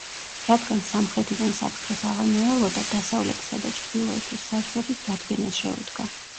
რადგან სამხრეთიდან საფრთხეს აღარ მოელოდა, დასავლეთისა და ჩრდილოეთის საზღვრების დადგენას შეუდგა.